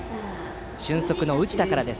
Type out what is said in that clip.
俊足の宇治田からです。